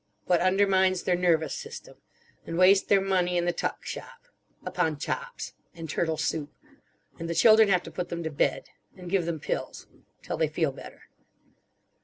What undermines their nervous system. And waste their money in the tuck shop. Upon chops. And turtle soup. And the children have to put them to bed. And give them pills. Till they feel better.